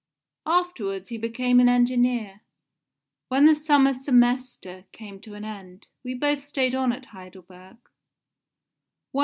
Afterwards he became an engineer. When the summer Semester came to an end, we both stayed on at Heidelberg.